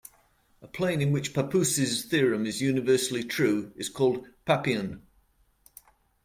A plane in which Pappus's theorem is universally true is called "Pappian".